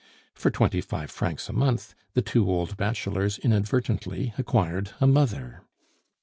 For twenty five francs a month, the two old bachelors inadvertently acquired a mother.